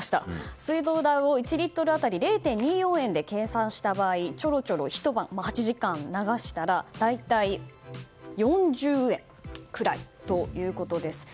水道代を１リットル当たり０．２４円で計算した場合ちょろちょろ８時間流したら大体４０円くらいということです。